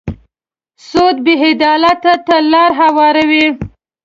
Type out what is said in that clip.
سود بې عدالتۍ ته لاره هواروي.